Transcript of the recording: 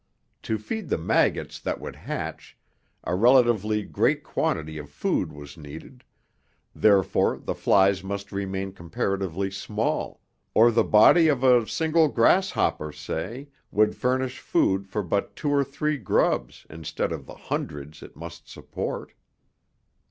To feed the maggots that would hatch, a relatively great quantity of food was needed, therefore the flies must remain comparatively small, or the body of a single grasshopper, say, would furnish food for but two or three grubs instead of the hundreds it must support.